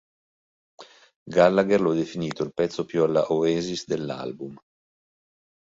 Gallagher lo ha definito "il pezzo più alla Oasis dell'album".